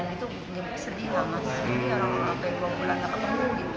tapi sempat melaporkan